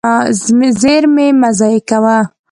زېرمې مه ضایع کوه.